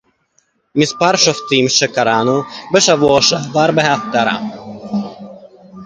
מספר שופטים שקראנו בשבוע שעבר בהפטרה